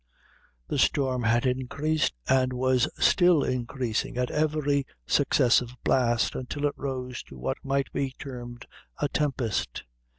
The storm had increased, and was still increasing at every successive blast, until it rose to what might be termed a tempest.